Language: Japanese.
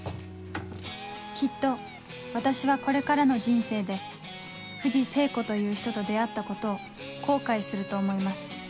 きっと私はこれからの人生で藤聖子という人と出会ったことを後悔すると思います